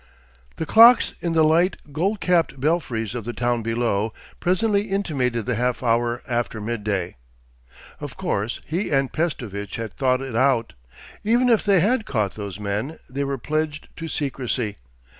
The clocks in the light gold capped belfries of the town below presently intimated the half hour after midday. Of course, he and Pestovitch had thought it out. Even if they had caught those men, they were pledged to secrecy....